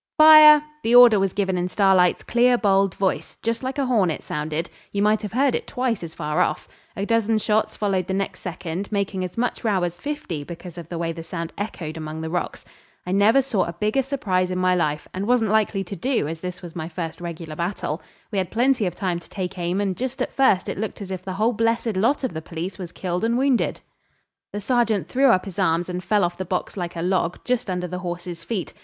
'Fire!' The order was given in Starlight's clear, bold voice. Just like a horn it sounded. You might have heard it twice as far off. A dozen shots followed the next second, making as much row as fifty because of the way the sound echoed among the rocks. I never saw a bigger surprise in my life, and wasn't likely to do, as this was my first regular battle. We had plenty of time to take aim, and just at first it looked as if the whole blessed lot of the police was killed and wounded. The sergeant threw up his arms and fell off the box like a log, just under the horses' feet.